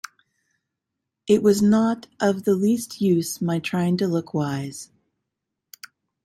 It was not of the least use my trying to look wise.